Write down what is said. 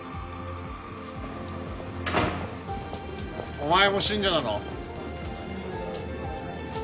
お前も信者なの？